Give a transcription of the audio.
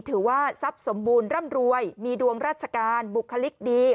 ถือว่าทรัพย์สมบูรณ์ร่ำรวยมีดวงราชการบุคลิกดี